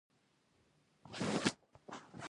زما نوم محمد هارون دئ.